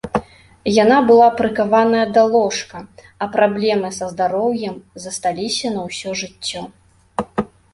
Яна была прыкаваная да ложка, а праблемы са здароўем засталіся на ўсё жыццё.